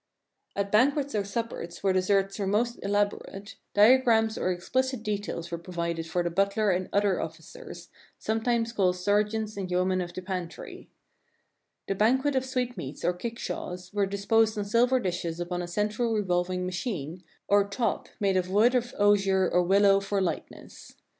At banquets or suppers where desserts were most elaborate, diagrams or explicit details were pro vided for the butler and other officers, sometimes called "serjeants and yeomen of the pantry." £g*^ Explication of a Banquet of Sweetmeats, for a round table The [II] The banquet of sweetmeats or kickshaws were disposed on silver dishes upon a central revolving "machine" or top made of wood of osier or willow for lightness.